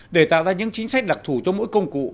để tạo ra những chính sách lạc thủ cho mỗi công cụ